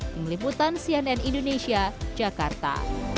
mengeliputan cnn indonesia jakarta